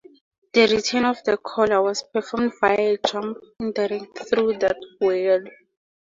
The return to caller was performed via a jump indirect through that word.